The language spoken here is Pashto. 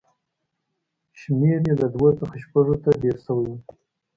شمېر یې له دوو څخه شپږو ته ډېر شوی و.